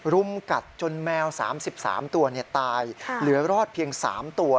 รุมกัดจนแมว๓๓ตัวตายเหลือรอดเพียง๓ตัว